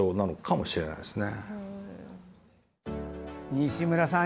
西村さん